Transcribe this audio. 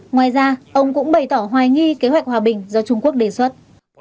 ngoài ra ông cũng bày tỏ hoài nghi kế hoạch hòa bình do trung quốc đề xuất